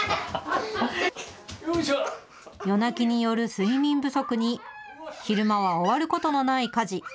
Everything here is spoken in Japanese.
夜泣きによる睡眠不足に昼間は終わることのない家事。